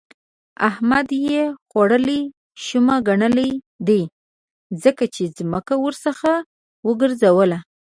احمد يې خوړلې شومه ګنلی دی؛ ځکه يې ځمکه ورڅخه وګرځوله.